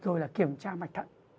rồi là kiểm tra mạch thận